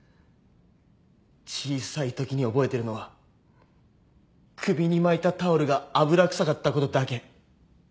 小さいときに覚えてるのは首に巻いたタオルが油くさかったことだけ。